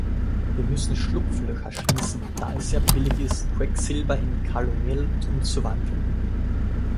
Wir müssen Schlupflöcher schließen, da es sehr billig ist, Quecksilber in Kalomel umzuwandeln.